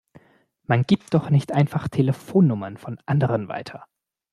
Man gibt doch nicht einfach Telefonnummern von anderen weiter!